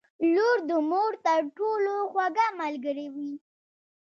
• لور د مور تر ټولو خوږه ملګرې وي.